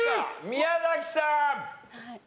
宮崎さん。